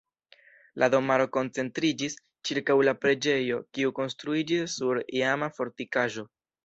La domaro koncentriĝis ĉirkaŭ la preĝejo kiu konstruiĝis sur iama fortikaĵo.